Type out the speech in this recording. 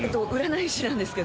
占い師なんですけど。